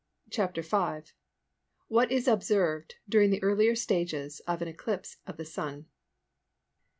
] CHAPTER V. WHAT IS OBSERVED DURING THE EARLIER STAGES OF AN ECLIPSE OF THE SUN.